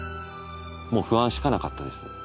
もう不安しかなかったです。